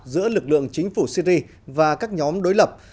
giữa lực lượng chính phủ syri và các nhóm đối lập